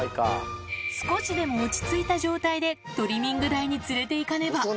少しでも落ち着いた状態でトリミング台に連れていかねば。